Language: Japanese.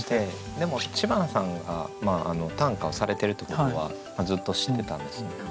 でも知花さんが短歌をされてるってことはずっと知ってたんですね。